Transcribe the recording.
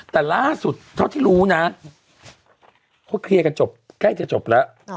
แต่ล่าสุดเท่าที่รู้นะเขาเคลียร์กันจบใกล้จะจบแล้ว